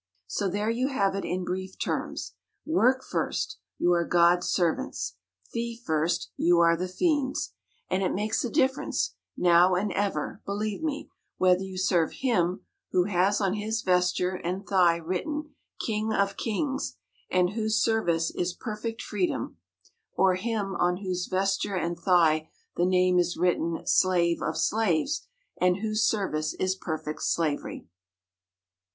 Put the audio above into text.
So there you have it in brief terms; Work first you are God's servants; Fee first you are the Fiend's. And it makes a difference, now and ever, believe me, whether you serve Him who has on His vesture and thigh written, 'King of Kings,' and whose service is perfect freedom; or him on whose vesture and thigh the name is written, 'Slave of Slaves,' and whose service is perfect slavery.